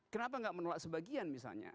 kenapa tidak menolak sebagian misalnya